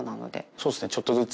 そうっすね、ちょっとずつ。